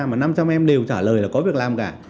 mà năm trăm linh em đều trả lời là có việc làm cả